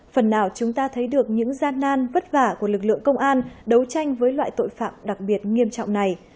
phần nào chúng ta thấy được những gian nan vất vả của lực lượng công an đấu tranh với loại tội phạm đặc biệt nghiêm trọng này